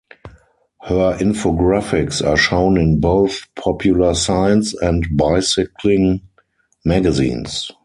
Her infographics are shown in both Popular Science and Bicycling magazines.